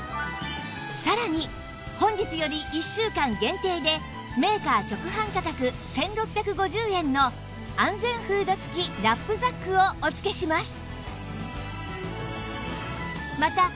さらに本日より１週間限定でメーカー直販価格１６５０円の安全フード付きナップザックをお付けします